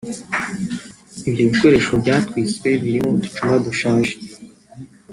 Ibyo bikoresho byatwitswe birimo uducuma dushaje